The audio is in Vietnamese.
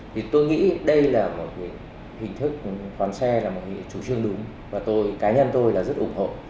tôi nghĩ đây là một hình thức khoán xe là một chủ trương đúng và cá nhân tôi rất ủng hộ